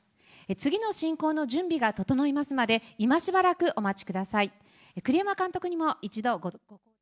次の進行の準備が整いますまで、今しばらくお待ちください。